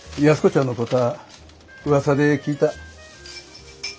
安子ちゃんのこたあうわさで聞いた。